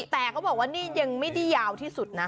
แต่เขาบอกว่านี่ยังไม่ได้ยาวที่สุดนะ